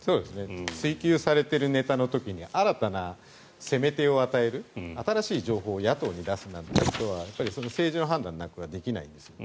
追及されているネタの時に新たな攻め手を与える新しい情報を野党に出すなんてことは政治の判断ではできないわけです。